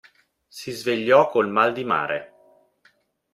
Si svegliò col mal di mare.